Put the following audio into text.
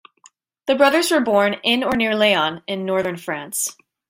The brothers were born in or near Laon in northern France.